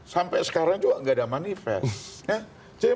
sampai sekarang juga nggak ada manifest